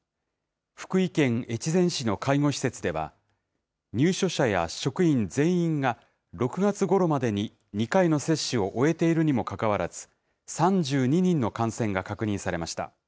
福井県越前市の介護施設では、入所者や職員全員が６月ごろまでに２回の接種を終えているにもかかわらず、３２人の感染が確認されました。